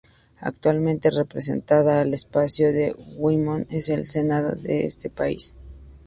Actualmente representada al estado de Wyoming en el Senado de ese país.